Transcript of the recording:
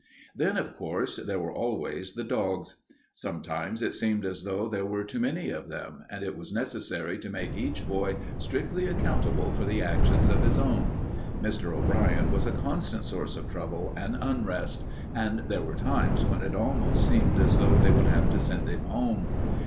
Then, of course, there were always the dogs. Sometimes it seemed as though there were too many of them, and it was necessary to make each boy strictly accountable for the actions of his own. Mr. O'Brien was a constant source of trouble and unrest, and there were times when it almost seemed as though they would have to send him home.